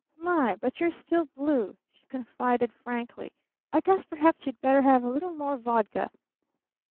"My! But you're still blue!" she confided frankly. "I guess perhaps you'd better have a little more vodka."